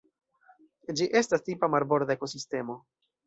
Ĝi estas tipa marborda ekosistemo.